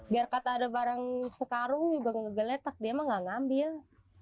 biar kata ada barang sekaru juga ngegeletak dia emang nggak ngambil